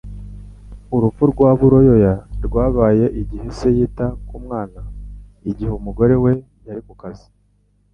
Urupfu rw'aburuyoya rwabaye igihe se yita ku mwana igihe umugore we yari ku kazi